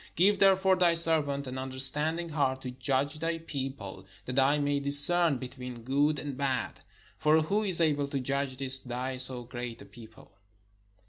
Give therefore thy servant an understanding heart to judge thy people, that I may discern between good and bad : for who is able to judge this thy so great a people?"